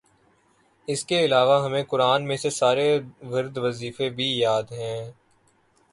اسکے علاوہ ہمیں قرآن میں سے سارے ورد وظیفے بھی یاد ہیں